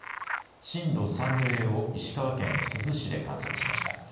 震度３の揺れを石川県珠洲市で観測しました。